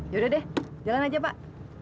yaudah deh jalan aja pak